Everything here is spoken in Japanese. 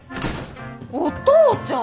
お父ちゃん。